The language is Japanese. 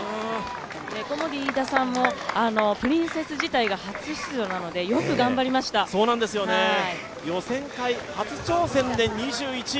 コモディイイダさんも「プリンセス」自体が初出場なので予選会初挑戦で２１位。